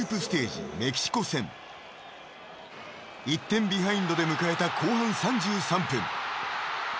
［１点ビハインドで迎えた後半３３分］